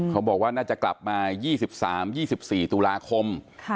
เขาบอกว่าน่าจะกลับมา๒๓๒๔ตุลาคม